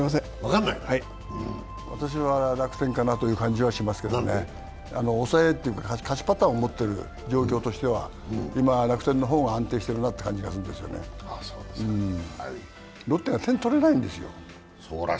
私は楽天かなという気がしていますが抑えというか勝ちパターンを持っている状況としては、今楽天の方が安定しているかなという感じがするんですよねロッテが点取れないんですよ。